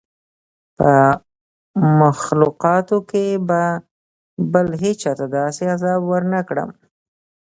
په مخلوقاتو کي به بل هېچا ته داسي عذاب ورنکړم